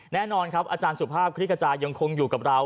แน่นอนครับอาจารย์สุภาพคลิกกระจายยังคงอยู่กับเรา